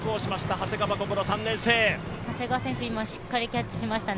長谷川選手、今しっかりキャッチしましたね。